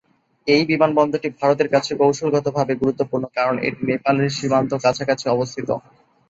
এই বিমানবন্দরটি ভারতের কাছে কৌশলগতভাবে গুরুত্বপূর্ণ, কারণ এটি নেপালের সীমান্ত কাছাকাছি অবস্থিত।